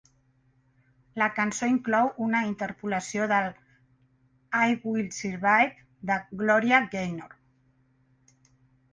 La cançó inclou una interpolació de l'"I Will Survive" de Gloria Gaynor.